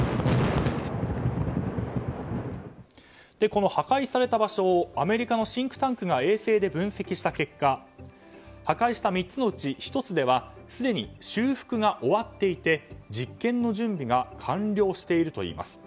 この破壊した場所をアメリカのシンクタンクが衛星で分析した結果破壊した３つのうち１つではすでに修復が終わっていて実験の準備が完了しているといいます。